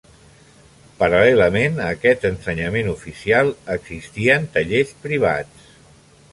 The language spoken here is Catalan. Paral·lelament a aquest ensenyament oficial, existien tallers privats.